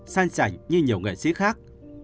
sanh sảnh như nhiều nghệ sĩ khác